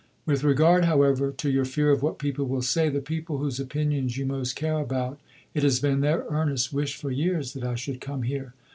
With regard, however, to your fear of what people will say, the people whose opinion you most care about, it has been their earnest wish for years that I should come here.